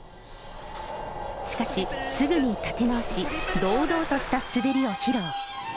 しかし、すぐに立て直し、堂々とした滑りを披露。